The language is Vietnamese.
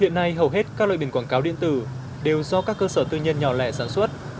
hiện nay hầu hết các loại biển quảng cáo điện tử đều do các cơ sở tư nhân nhỏ lẻ sản xuất